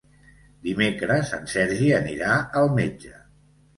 Dimecres en Sergi anirà al metge.